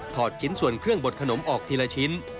ชิ้นส่วนเครื่องบดขนมออกทีละชิ้น